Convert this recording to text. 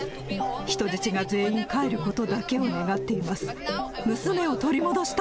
人質が全員帰ることだけを願っています。